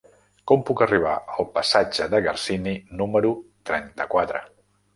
Com puc arribar al passatge de Garcini número trenta-quatre?